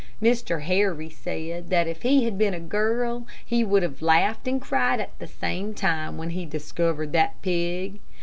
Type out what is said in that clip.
Mr. Harry said that if he had been a girl, he would have laughed and cried at the same time when he discovered that pig.